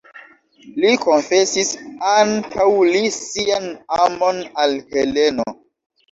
Li konfesis antaŭ li sian amon al Heleno.